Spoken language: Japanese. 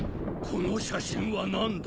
この写真は何だ！？